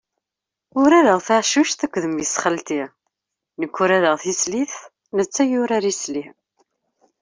Urareɣ taɛcuct akked mmi-s n xalti, nek urareɣ tislit netta yurar isli.